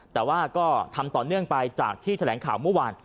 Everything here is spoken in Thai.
แต่ว่าก็ทำต่อเนื่องไปจากที่แถลงข่าวเมื่อวาน